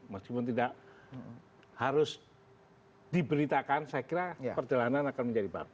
meskipun tidak harus diberitakan saya kira perjalanan akan menjadi bab